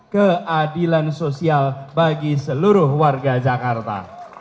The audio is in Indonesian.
keadilan sosial bagi seluruh warga jakarta